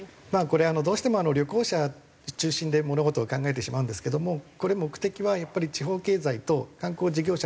これどうしても旅行者中心で物事を考えてしまうんですけどもこれ目的はやっぱり地方経済と観光事業者のためなんですよね。